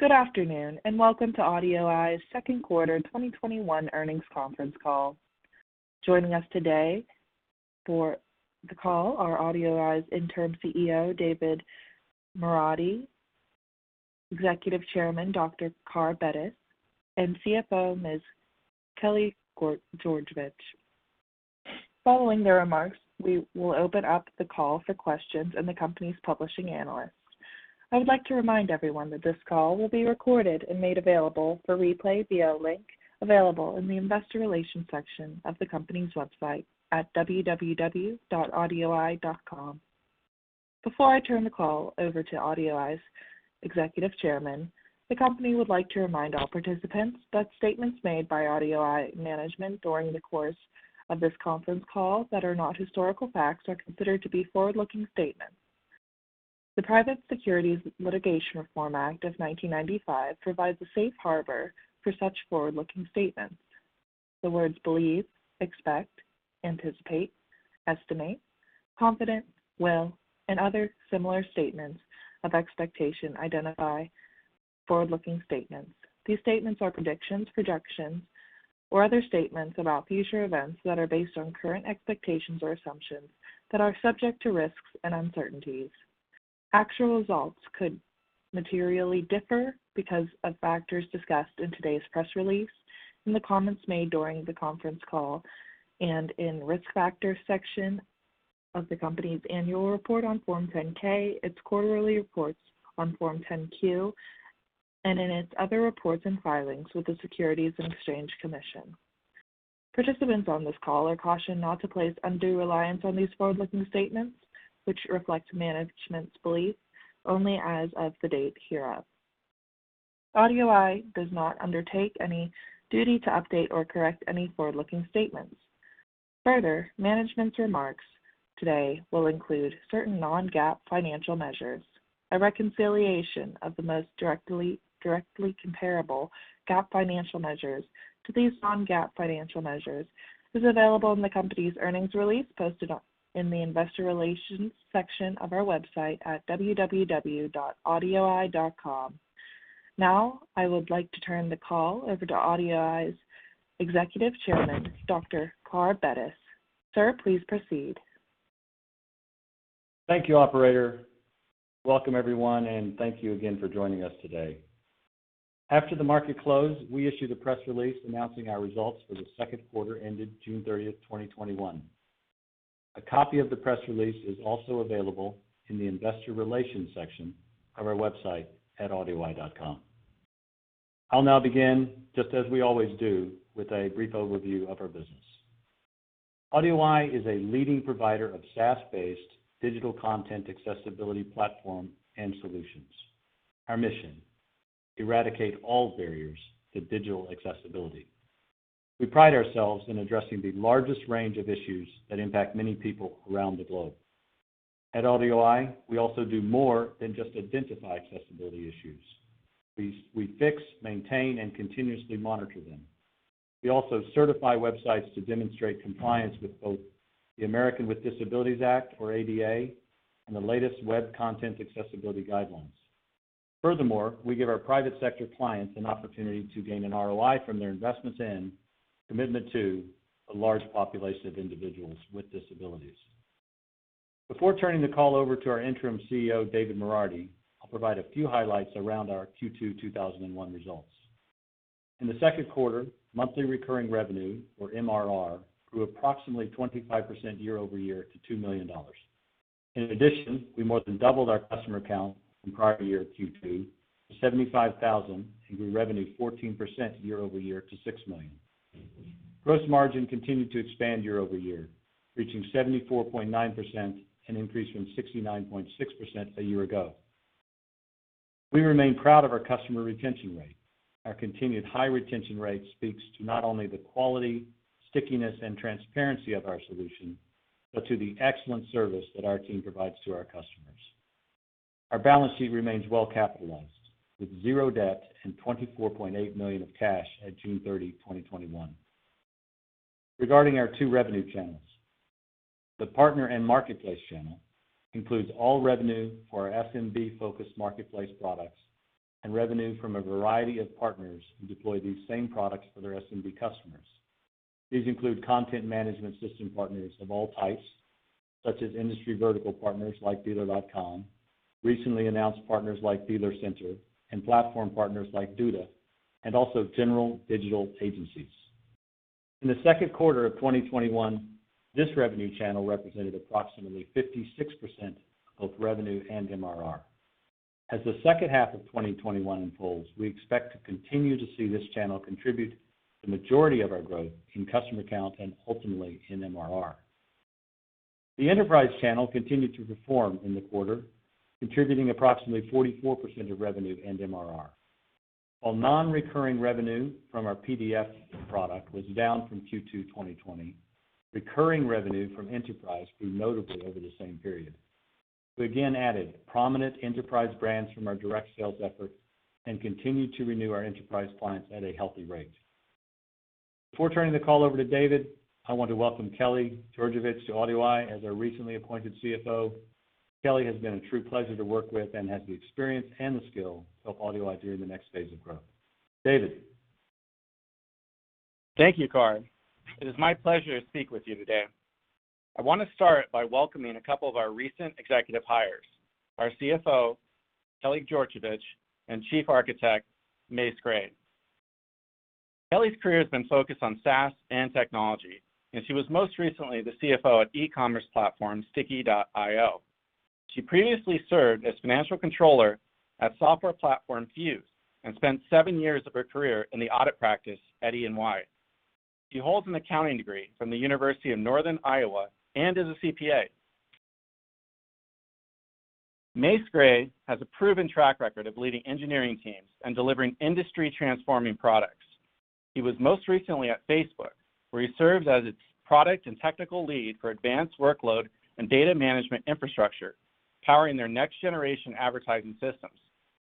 Good afternoon, and welcome to AudioEye's second quarter 2021 earnings conference call. Joining us today for the call are AudioEye's Interim Chief Executive Officer, David Moradi, Executive Chairman, Dr. Carr Bettis, and Chief Financial Officer, Kelly Georgevich. Following the remarks, we will open up the call for questions and the company's publishing analysts. I would like to remind everyone that this call will be recorded and made available for replay via a link available in the investor relations section of the company's website at www.audioeye.com. Before I turn the call over to AudioEye's Executive Chairman, the company would like to remind all participants that statements made by AudioEye management during the course of this conference call that are not historical facts are considered to be forward-looking statements. The Private Securities Litigation Reform Act of 1995 provides a safe harbor for such forward-looking statements. The words believe, expect, anticipate, estimate, confident, will, and other similar statements of expectation identify forward-looking statements. These statements are predictions, projections, or other statements about future events that are based on current expectations or assumptions that are subject to risks and uncertainties. Actual results could materially differ because of factors discussed in today's press release, in the comments made during the conference call, and in risk factors section of the company's annual report on Form 10-K, its quarterly reports on Form 10-Q, and in its other reports and filings with the Securities and Exchange Commission. Participants on this call are cautioned not to place undue reliance on these forward-looking statements, which reflect management's belief only as of the date hereof. AudioEye does not undertake any duty to update or correct any forward-looking statements. Further, management's remarks today will include certain non-GAAP financial measures. A reconciliation of the most directly comparable GAAP financial measures to these non-GAAP financial measures is available in the company's earnings release posted in the investor relations section of our website at www.audioeye.com. I would like to turn the call over to AudioEye's Executive Chairman, Dr. Carr Bettis. Sir, please proceed. Thank you, operator. Welcome everyone, and thank you again for joining us today. After the market close, we issued a press release announcing our results for the second quarter ended June 30, 2021. A copy of the press release is also available in the investor relations section of our website at audioeye.com. I'll now begin, just as we always do, with a brief overview of our business. AudioEye is a leading provider of SaaS-based digital content accessibility platform and solutions. Our mission. Eradicate all barriers to digital accessibility. We pride ourselves in addressing the largest range of issues that impact many people around the globe. At AudioEye, we also do more than just identify accessibility issues. We fix, maintain, and continuously monitor them. We also certify websites to demonstrate compliance with both the Americans with Disabilities Act, or ADA, and the latest Web Content Accessibility Guidelines. Furthermore, we give our private sector clients an opportunity to gain an ROI from their investments and commitment to a large population of individuals with disabilities. Before turning the call over to our Interim Chief Executive Officer, David Moradi, I'll provide a few highlights around our Q2 2021 results. In the second quarter, monthly recurring revenue, or MRR, grew approximately 25% year-over-year to $2 million. In addition, we more than doubled our customer count from prior year Q2 to 75,000, and grew revenue 14% year-over-year to $6 million. Gross margin continued to expand year-over-year, reaching 74.9%, an increase from 69.6% a year ago. We remain proud of our customer retention rate. Our continued high retention rate speaks to not only the quality, stickiness, and transparency of our solution, but to the excellent service that our team provides to our customers. Our balance sheet remains well capitalized, with zero debt and $24.8 million of cash at June 30, 2021. Regarding our two revenue channels, the partner and marketplace channel includes all revenue for our SMB-focused marketplace products and revenue from a variety of partners who deploy these same products for their SMB customers. These include content management system partners of all types, such as industry vertical partners like Dealer.com, recently announced partners like DealerCenter, and platform partners like Duda, and also general digital agencies. In the second quarter of 2021, this revenue channel represented approximately 56% of revenue and MRR. As the second half of 2021 unfolds, we expect to continue to see this channel contribute the majority of our growth in customer count and ultimately in MRR. The enterprise channel continued to perform in the quarter, contributing approximately 44% of revenue and MRR. While non-recurring revenue from our PDF product was down from Q2 2020, recurring revenue from enterprise grew notably over the same period. We again added prominent enterprise brands from our direct sales effort and continued to renew our enterprise clients at a healthy rate. Before turning the call over to David, I want to welcome Kelly Georgevich to AudioEye as our recently appointed Chief Financial Officer. Kelly has been a true pleasure to work with and has the experience and the skill to help AudioEye during the next phase of growth. David? Thank you, Carr. It is my pleasure to speak with you today. I want to start by welcoming a couple of our recent executive hires, our CFO, Kelly Georgevich, and Chief Architect, Mase Graye. Kelly's career has been focused on SaaS and technology, and she was most recently the Chief Financial Officer at E-Commerce platform Sticky.io. She previously served as Financial Controller at software platform Fuze and spent seven years of her career in the audit practice at EY. She holds an accounting degree from the University of Northern Iowa and is a CPA. Mase Graye has a proven track record of leading engineering teams and delivering industry-transforming products. He was most recently at Facebook, where he served as its Product and Technical Lead for advanced workload and data management infrastructure, powering their next generation advertising systems.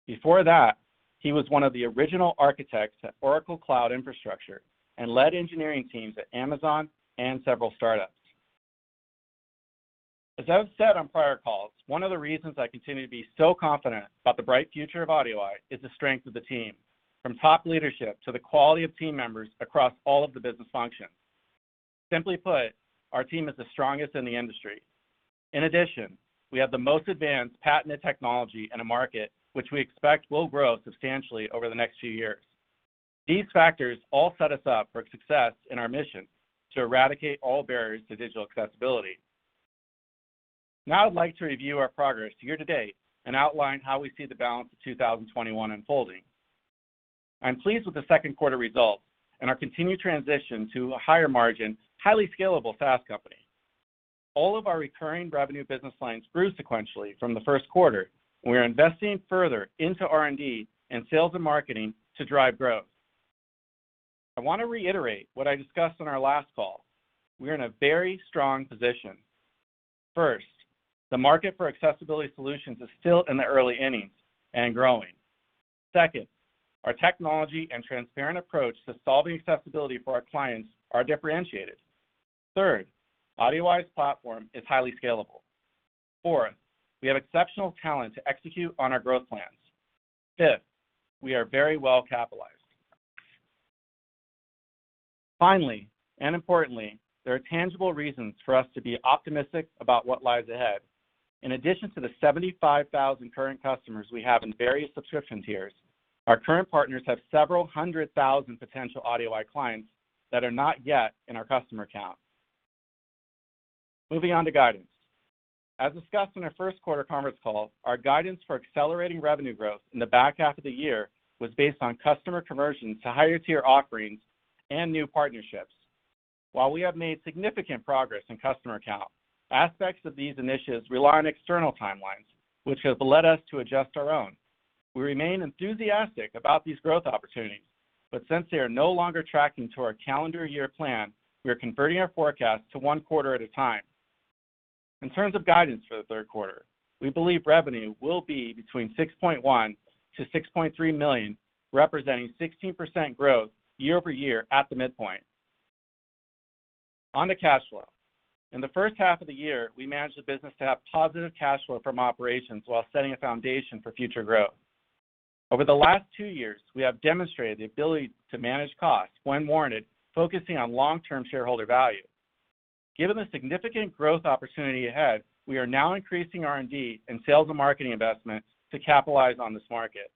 Before that, he was one of the original architects at Oracle Cloud Infrastructure and led engineering teams at Amazon and several startups. As I've said on prior calls, one of the reasons I continue to be so confident about the bright future of AudioEye is the strength of the team, from top leadership to the quality of team members across all of the business functions. Simply put, our team is the strongest in the industry. In addition, we have the most advanced patented technology in a market which we expect will grow substantially over the next few years. These factors all set us up for success in our mission to eradicate all barriers to digital accessibility. Now I'd like to review our progress year to date and outline how we see the balance of 2021 unfolding. I'm pleased with the second quarter results and our continued transition to a higher margin, highly scalable SaaS company. All of our recurring revenue business lines grew sequentially from the first quarter, and we are investing further into R&D and sales and marketing to drive growth. I want to reiterate what I discussed on our last call. We are in a very strong position. First, the market for accessibility solutions is still in the early innings and growing. Second, our technology and transparent approach to solving accessibility for our clients are differentiated. Third, AudioEye's platform is highly scalable. Fourth, we have exceptional talent to execute on our growth plans. Fifth, we are very well capitalized. Finally, and importantly, there are tangible reasons for us to be optimistic about what lies ahead. In addition to the 75,000 current customers we have in various subscription tiers, our current partners have several hundred thousand potential AudioEye clients that are not yet in our customer count. Moving on to guidance. As discussed on our first quarter conference call, our guidance for accelerating revenue growth in the back half of the year was based on customer conversions to higher tier offerings and new partnerships. While we have made significant progress in customer count, aspects of these initiatives rely on external timelines, which have led us to adjust our own. We remain enthusiastic about these growth opportunities, but since they are no longer tracking to our calendar year plan, we are converting our forecast to one quarter at a time. In terms of guidance for the third quarter, we believe revenue will be between $6.1 million-$6.3 million, representing 16% growth year-over-year at the midpoint. On to cash flow. In the first half of the year, we managed the business to have positive cash flow from operations while setting a foundation for future growth. Over the last two years, we have demonstrated the ability to manage costs when warranted, focusing on long-term shareholder value. Given the significant growth opportunity ahead, we are now increasing R&D and sales and marketing investment to capitalize on this market.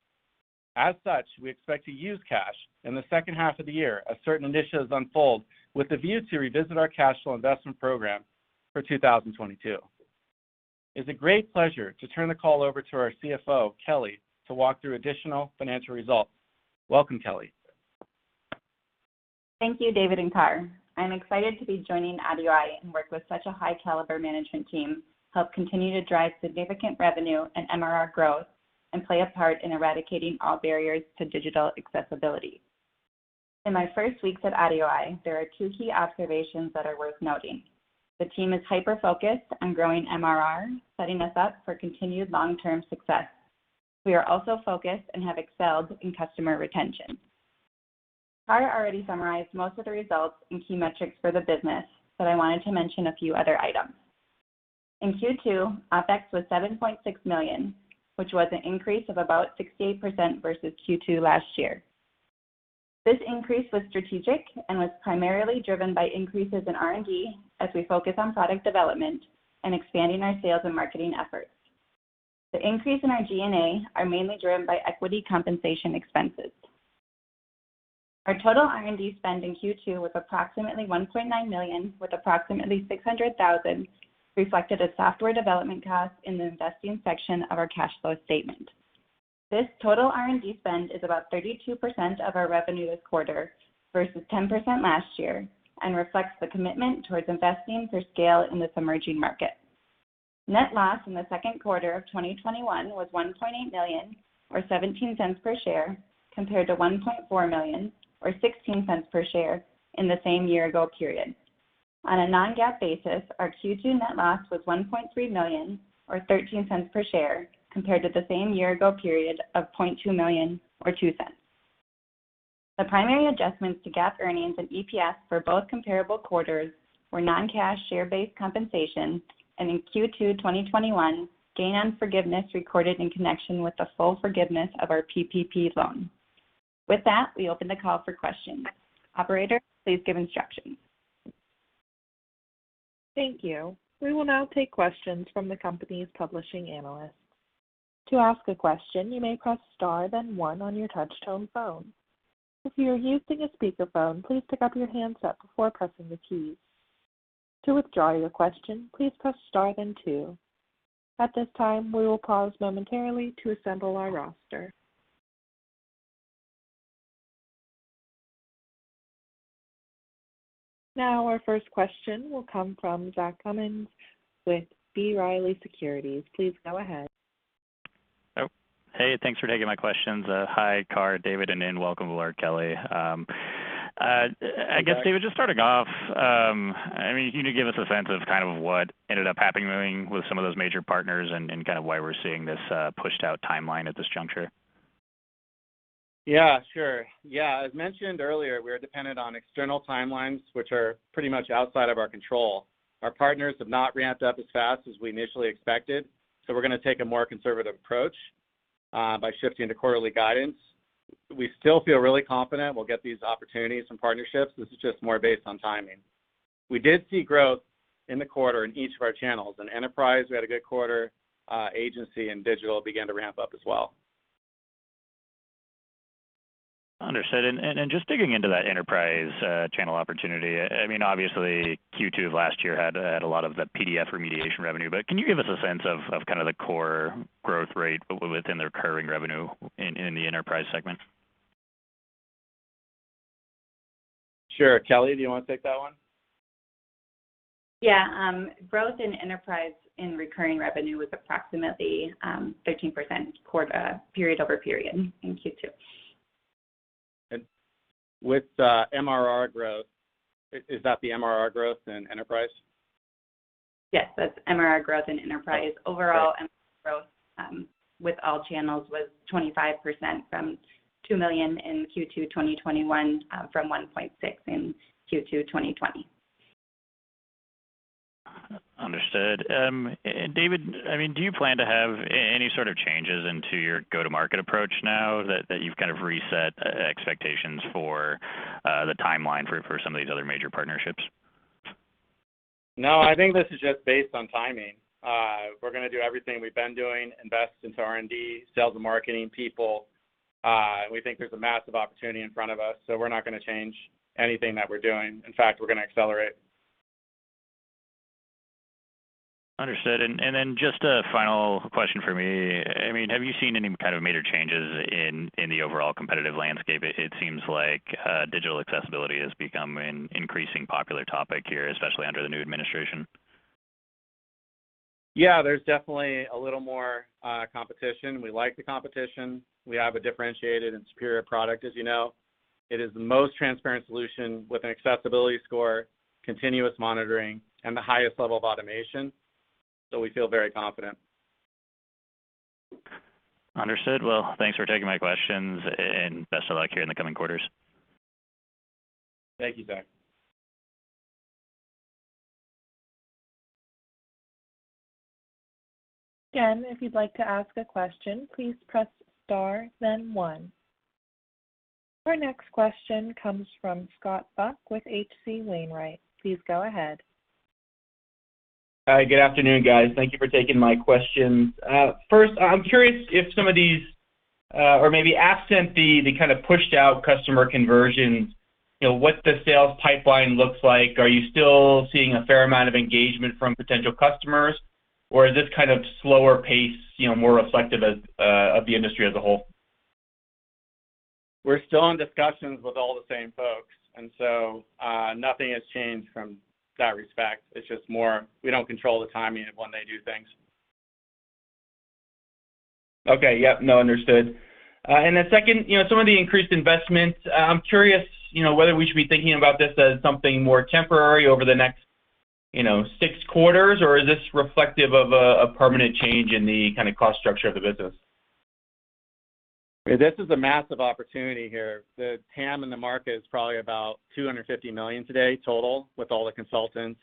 As such, we expect to use cash in the second half of the year as certain initiatives unfold, with a view to revisit our cash flow investment program for 2022. It's a great pleasure to turn the call over to our Chief Financial Officer, Kelly, to walk through additional financial results. Welcome, Kelly. Thank you, David and Carr. I'm excited to be joining AudioEye and work with such a high caliber management team, help continue to drive significant revenue and MRR growth, and play a part in eradicating all barriers to digital accessibility. In my first weeks at AudioEye, there are two key observations that are worth noting. The team is hyper-focused on growing MRR, setting us up for continued long-term success. We are also focused and have excelled in customer retention. Carr already summarized most of the results and key metrics for the business, but I wanted to mention a few other items. In Q2, OPEX was $7.6 million, which was an increase of about 68% versus Q2 last year. This increase was strategic and was primarily driven by increases in R&D as we focus on product development and expanding our sales and marketing efforts. The increase in our G&A are mainly driven by equity compensation expenses. Our total R&D spend in Q2 was approximately $1.9 million, with approximately $600,000 reflected as software development costs in the investing section of our cash flow statement. This total R&D spend is about 32% of our revenue this quarter versus 10% last year and reflects the commitment towards investing for scale in this emerging market. Net loss in the second quarter of 2021 was $1.8 million, or $0.17 per share, compared to $1.4 million or $0.16 per share in the same year ago period. On a non-GAAP basis, our Q2 net loss was $1.3 million, or $0.13 per share, compared to the same year ago period of $0.2 million or $0.02. The primary adjustments to GAAP earnings and EPS for both comparable quarters were non-cash share-based compensation, and in Q2 2021, gain on forgiveness recorded in connection with the full forgiveness of our PPP loan. With that, we open the call for questions. Operator, please give instructions. Thank you. We will now take questions from the company's publishing analysts. To ask a question you may press star one on your touchpad phone. To remove your question press star then two. We will now pause momentarily to assemble a roster. Our first question will come from Zach Cummins with B. Riley Securities, please go ahead. Oh, hey, thanks for taking my questions. Hi, Carr, David, and welcome aboard, Kelly. Hi. I guess, David, just starting off, can you give us a sense of what ended up happening with some of those major partners and why we're seeing this pushed-out timeline at this juncture? Yeah, sure. As mentioned earlier, we are dependent on external timelines, which are pretty much outside of our control. Our partners have not ramped up as fast as we initially expected, we're going to take a more conservative approach by shifting to quarterly guidance. We still feel really confident we'll get these opportunities and partnerships. This is just more based on timing. We did see growth in the quarter in each of our channels. In enterprise, we had a good quarter. Agency and digital began to ramp up as well. Understood. Just digging into that enterprise channel opportunity, obviously Q2 of last year had a lot of the PDF remediation revenue. Can you give us a sense of the core growth rate within the recurring revenue in the enterprise segment? Sure. Kelly, do you want to take that one? Yeah. Growth in enterprise in recurring revenue was approximately 13% period-over-period in Q2. With MRR growth, is that the MRR growth in enterprise? Yes, that's MRR growth in enterprise. Overall MRR growth with all channels was 25% from $2 million in Q2 2021 from $1.6 in Q2 2020. Understood. David, do you plan to have any sort of changes into your go-to-market approach now that you've reset expectations for the timeline for some of these other major partnerships? No, I think this is just based on timing. We're going to do everything we've been doing, invest into R&D, sales and marketing people. We think there's a massive opportunity in front of us, so we're not going to change anything that we're doing. In fact, we're going to accelerate. Understood. Just a final question from me. Have you seen any kind of major changes in the overall competitive landscape? It seems like digital accessibility has become an increasingly popular topic here, especially under the new administration. Yeah, there's definitely a little more competition. We like the competition. We have a differentiated and superior product, as you know. It is the most transparent solution with an accessibility score, continuous monitoring, and the highest level of automation, so we feel very confident. Understood. Well, thanks for taking my questions, and best of luck here in the coming quarters. Thank you, Zach. Again, if you'd like to ask a question, please press star then one. Our next question comes from Scott Buck with H.C. Wainwright, please go ahead. Hi, good afternoon guys? Thank you for taking my questions. First, I'm curious if some of these, or maybe absent the pushed-out customer conversions, what the sales pipeline looks like. Are you still seeing a fair amount of engagement from potential customers, or is this slower pace more reflective of the industry as a whole? We're still in discussions with all the same folks, and so nothing has changed from that respect. It's just more we don't control the timing of when they do things. Okay. Yep. No, understood. Second, some of the increased investments, I'm curious whether we should be thinking about this as something more temporary over the next six quarters, or is this reflective of a permanent change in the cost structure of the business? This is a massive opportunity here. The TAM in the market is probably about $250 million today total with all the consultants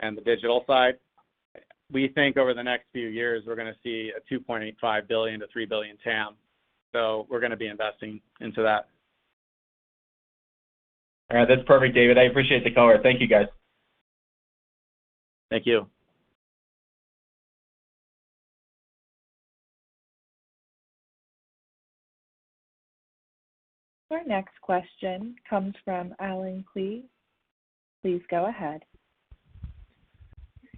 and the digital side. We think over the next few years, we're going to see a $2.85 billion-$3 billion TAM. We're going to be investing into that. All right. That's perfect, David. I appreciate the color. Thank you, guys. Thank you. Our next question comes from Allen Klee. Please go ahead.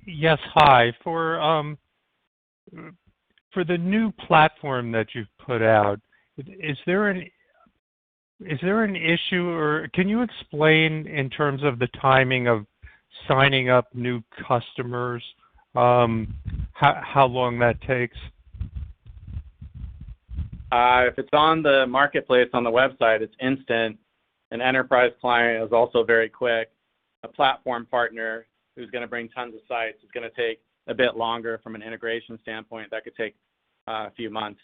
Yes. Hi. For the new platform that you've put out, is there an issue, or can you explain in terms of the timing of signing up new customers how long that takes? If it's on the marketplace on the website, it's instant. An enterprise client is also very quick. A platform partner who's going to bring tons of sites is going to take a bit longer from an integration standpoint. That could take a few months.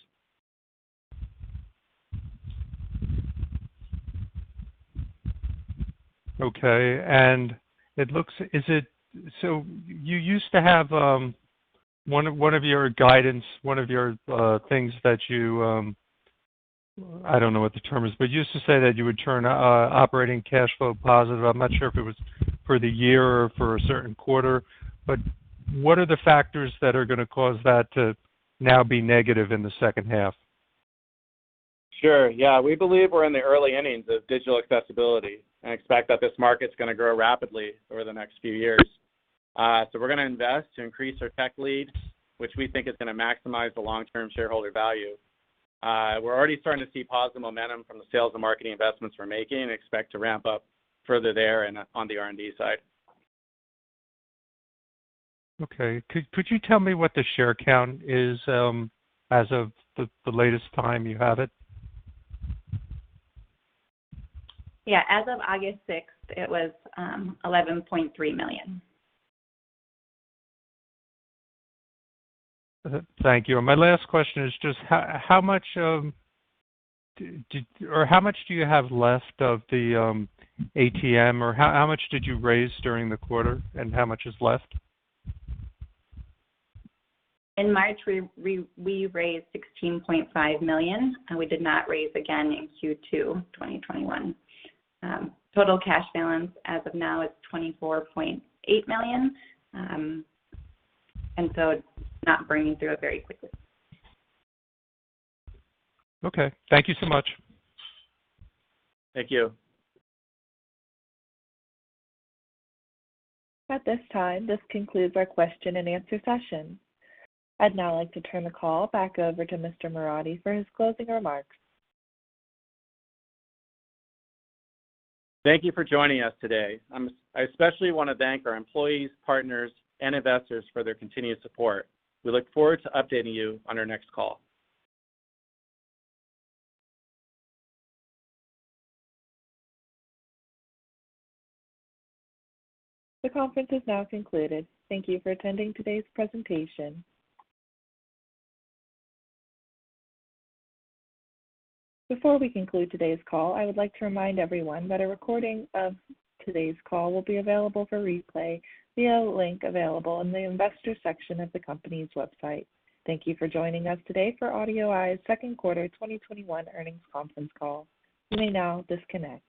You used to have one of your guidance, one of your things that I don't know what the term is, but you used to say that you would turn operating cash flow positive. I'm not sure if it was for the year or for a certain quarter. What are the factors that are going to cause that to now be negative in the second half? Sure, yeah. We believe we're in the early innings of digital accessibility and expect that this market's going to grow rapidly over the next few years. We're going to invest to increase our tech leads, which we think is going to maximize the long-term shareholder value. We're already starting to see positive momentum from the sales and marketing investments we're making and expect to ramp up further there and on the R&D side. Okay. Could you tell me what the share count is as of the latest time you have it? As of August 6, it was $11.3 million. Thank you. My last question is just, how much do you have left of the ATM, or how much did you raise during the quarter, and how much is left? In March, we raised $16.5 million, and we did not raise again in Q2 2021. Total cash balance as of now is $24.8 million. It's not bringing through it very quickly. Okay. Thank you so much. Thank you. At this time, this concludes our question and answer session. I'd now like to turn the call back over to Mr. Moradi for his closing remarks. Thank you for joining us today. I especially want to thank our employees, partners, and investors for their continuous support. We look forward to updating you on our next call. The conference is now concluded. Thank you for attending today's presentation. Before we conclude today's call, I would like to remind everyone that a recording of today's call will be available for replay via a link available in the Investors section of the company's website. Thank you for joining us today for AudioEye's second quarter 2021 earnings conference call, you may now disconnect.